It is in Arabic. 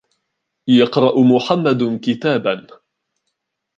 يَقْرَأُ مُحَمَّدٌ كِتَابًا.